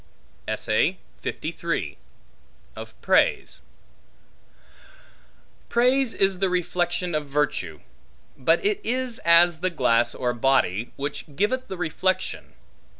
Of Praise PRAISE is the reflection of virtue; but it is as the glass or body, which giveth the reflection.